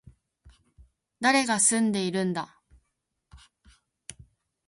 誰が住んでいるんだ